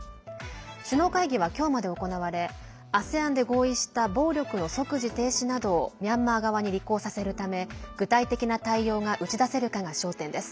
首脳会議は今日まで行われＡＳＥＡＮで合意した暴力の即時停止などをミャンマー側に履行させるため具体的な対応が打ち出せるかが焦点です。